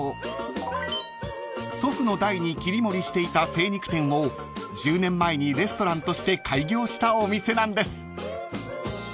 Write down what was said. ［祖父の代に切り盛りしていた精肉店を１０年前にレストランとして開業したお店なんです］